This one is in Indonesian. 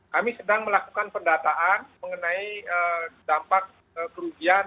kami sedang melakukan pendataan mengenai dampak kerugian